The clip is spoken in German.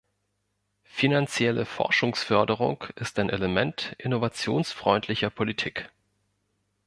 Finanzielle Forschungsförderung ist ein Element innovationsfreundlicher Politik.